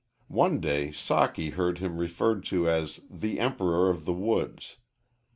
One day Socky heard him referred to as the "Emperor of the Woods."